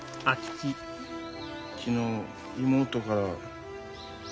昨日妹から。